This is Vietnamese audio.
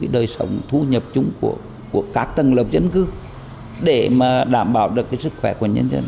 đời sống thu nhập chung của các tầng lớp dân cư để đảm bảo được sức khỏe của nhân dân